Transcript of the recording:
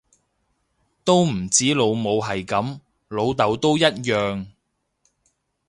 都唔止老母係噉，老竇都一樣